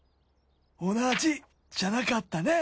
同じじゃなかったね！